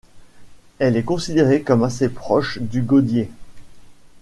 Elle est considérée comme assez proche du godié.